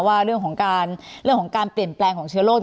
ว่าเรื่องของการเรื่องของการเปลี่ยนแปลงของเชื้อโรค